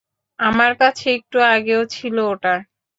আমার কাছে একটু আগেও ছিল ওটা!